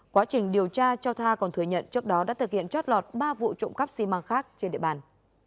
quá trình điều tra cho tha còn thừa nhận trước đó đã thực hiện trót lọt ba vụ trộm cắp xi măng khác trên địa bàn